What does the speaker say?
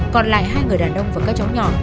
còn lại hai người đàn ông và các cháu nhỏ